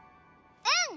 うん！